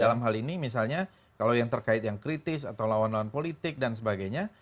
dalam hal ini misalnya kalau yang terkait yang kritis atau lawan lawan politik dan sebagainya